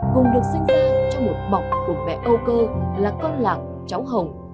cùng được sinh ra trong một bọc của mẹ âu cơ là con lạc cháu hồng